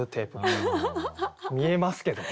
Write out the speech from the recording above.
見えますけどね。